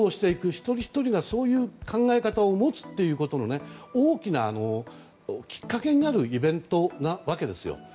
一人ひとりが、そういう考え方を持つということのね大きなきっかけになるイベントなわけですよ。